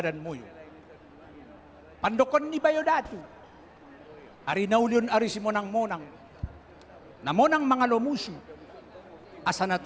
dan kursi ini mohon diangkat